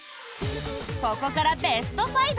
ここからベスト５！